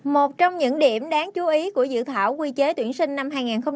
một trong những điểm đáng chú ý của dự thảo quy chế tuyển sinh năm hai nghìn hai mươi